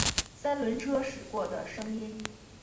三轮车驶过的声音